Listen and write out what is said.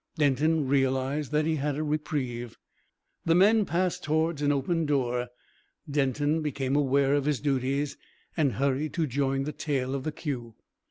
Denton realised that he had a reprieve. The men passed towards an open door. Denton became aware of his duties, and hurried to join the tail of the queue.